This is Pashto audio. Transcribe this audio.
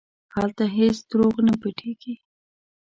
هلته هېڅ دروغ نه پټېږي.